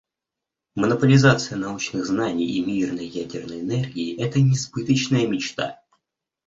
Монополизация научных знаний и мирной ядерной энергии − это несбыточная мечта.